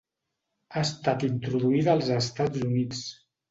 Ha estat introduïda als Estats Units.